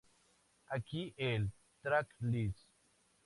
Aquí el tracklist.